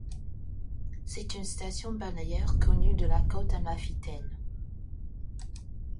C'est une station balnéaire connue de la côte amalfitaine.